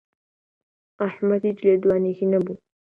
ئەحمەد هیچ لێدوانێکی نەبوو.